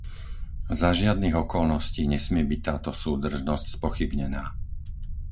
Za žiadnych okolností nesmie byť táto súdržnosť spochybnená.